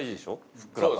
ふっくら感。